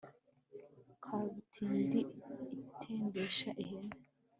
kabutindi itembesha ihene